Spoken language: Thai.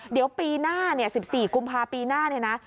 เดี๋ยวปีหน้า๑๔กุมภาพปีหน้าเนี่ยนะ